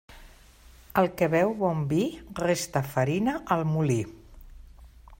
El que beu bon vi resta farina al molí.